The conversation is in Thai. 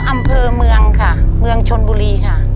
อำเภอเมืองค่ะเมืองชนบุรีค่ะ